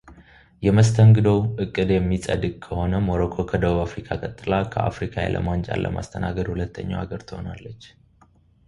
የመስተንግዶው ዕቅድ የሚጸድቅ ከሆነ ሞሮኮ ከደቡብ አፍሪካ ቀጥላ ከአፍሪካ የዓለም ዋንጫን በማስተናገድ ሁለተኛዋ አገር ትሆናለች